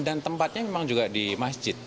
dan tempatnya memang juga di masjid